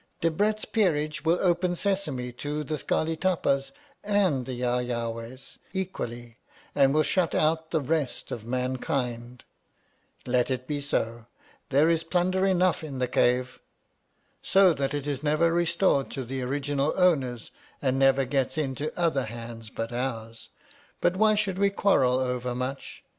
Debrett's Peerage will open Sesame to the Scarli Tapas and the Yawyawahs equally, and will shut out " the Let it be so. There in the cave. So that it is never restored to the original owners and never gets into other hands but ours, why should we quarrel over much